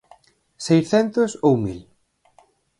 ¿Seiscentos ou mil?